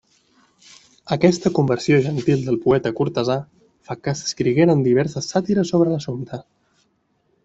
Aquesta conversió gentil del poeta cortesà fa que s'escrigueren diverses sàtires sobre l'assumpte.